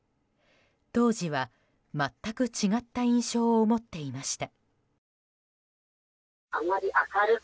当時は全く違った印象を持っていました。